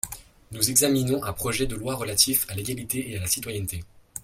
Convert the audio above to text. Nous examinons un projet de loi relatif à l’égalité et à la citoyenneté.